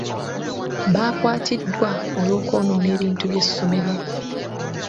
Baakwatiddwa olw'okwonoona ebintu by'essomero.